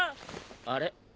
あれ？